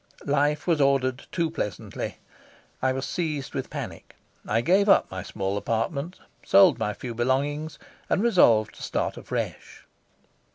Life was ordered too pleasantly. I was seized with panic. I gave up my small apartment, sold my few belongings, and resolved to start afresh.